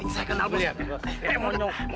seperti saya kenal bos